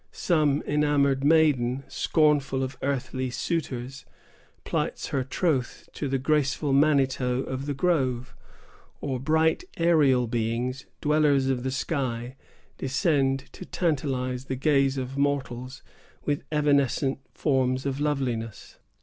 Some enamored maiden, scornful of earthly suitors, plights her troth to the graceful manito of the grove; or bright aerial beings, dwellers of the sky, descend to tantalize the gaze of mortals with evanescent forms of loveliness.